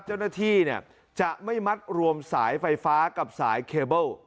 เจ้าหน้าที่เนี่ยจะไม่มัดรวมสายไฟฟ้ากับสายเคเบิ้ล